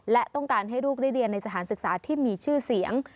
และต้องการให้ลูกได้เรียนในสถานศึกษาที่มีชื่อเสียง